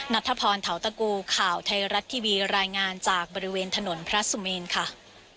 นัทธพรเทาตะกูข่าวไทยรัฐทีวีรายงานจากบริเวณถนนพระสุเมนค่ะ